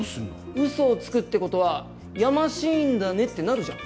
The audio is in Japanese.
ウソをつくってことはやましいんだねってなるじゃん。